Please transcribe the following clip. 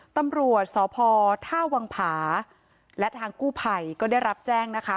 ตำรวจสพท่าวังผาและทางกู้ภัยก็ได้รับแจ้งนะคะ